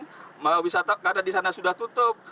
karena di sana sudah tutup